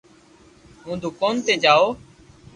ھون دوڪون تو جاو